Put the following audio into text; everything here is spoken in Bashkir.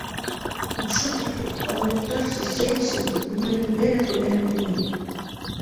— Ошо тиклем алйоттарса сәй әсеүҙе ғүмеремдә лә күргәнем юҡ ине!